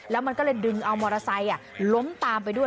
แล้วมันก็เลยดึงเอามอเตอร์ไซค์ล้มตามไปด้วย